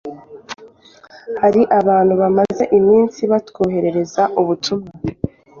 hari abantu bamaze iminsi batwoherereza ubutumwa